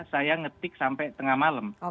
saya ngetik sampai tengah malam